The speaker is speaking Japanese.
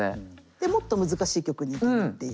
でもっと難しい曲にいくっていう。